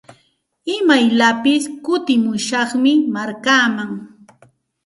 Imayllapis kutimushaqmi markaaman.